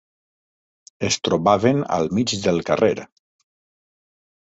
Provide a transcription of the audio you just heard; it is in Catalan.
Es trobaven al mig del carrer.